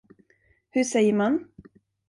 Hur säger man?